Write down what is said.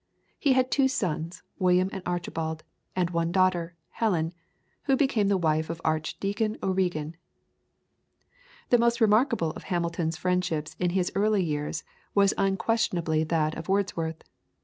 He had two sons, William and Archibald, and one daughter, Helen, who became the wife of Archdeacon O'Regan. [PLATE: SIR W. ROWAN HAMILTON.] The most remarkable of Hamilton's friendships in his early years was unquestionably that with Wordsworth.